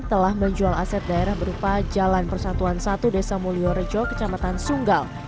telah menjual aset daerah berupa jalan persatuan satu desa mulyorejo kecamatan sunggal